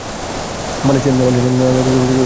পালের সাথে না থাকলেও, তুমি পালের অংশ।